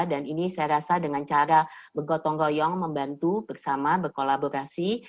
dan ini saya rasa dengan cara begotong goyong membantu bersama berkolaborasi